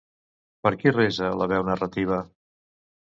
Per qui resa la veu narrativa?